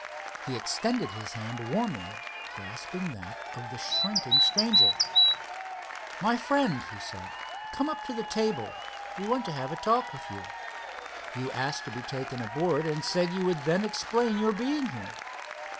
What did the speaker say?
He extended his hand warmly, grasping that of the shrinking stranger. "My friend," he said, "come up to the table. We want to have a talk with you. You asked to be taken aboard, and said you would then explain your being here."